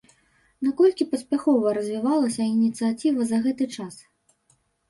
Наколькі паспяхова развівалася ініцыятыва за гэты час?